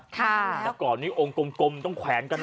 แต่ก่อนนี้องค์กลมต้องแขวนกันนะ